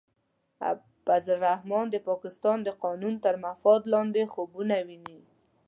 فضل الرحمن د پاکستان د قانون تر مفاد لاندې خوبونه ویني.